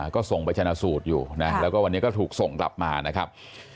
ก็ส่งไปชนะสูตรอยู่นะแล้วก็วันนี้ก็ถูกส่งกลับมานะครับ